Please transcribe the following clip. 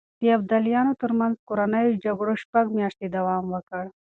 د ابداليانو ترمنځ کورنيو جګړو شپږ مياشتې دوام وکړ.